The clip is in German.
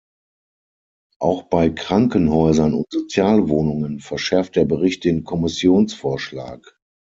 Auch bei Krankenhäusern und Sozialwohnungen verschärft der Bericht den Kommissionsvorschlag.